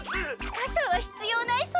かさはひつようないそうです。